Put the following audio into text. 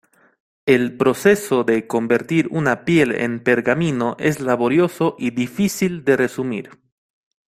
El proceso de convertir una piel en pergamino es laborioso y difícil de resumir.